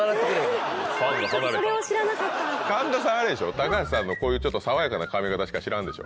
高橋さんのこういう爽やかな髪形しか知らんでしょ？